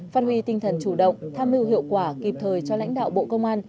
phát huy tinh thần chủ động tham mưu hiệu quả kịp thời cho lãnh đạo bộ công an